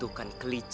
aku akan menang